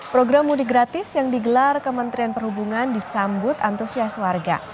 program mudik gratis yang digelar kementerian perhubungan disambut antusias warga